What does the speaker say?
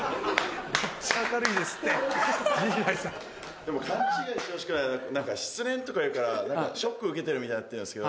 でも勘違いしてほしくないのは何か失恋とか言うからショック受けてるみたいになってますけど。